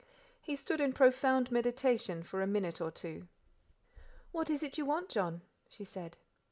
He stood in profound meditation for a minute or two. "What is it you want, John?" she said.